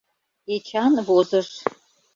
Эчан возыш.